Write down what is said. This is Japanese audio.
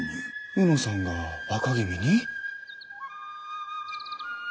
卯之さんが若君に？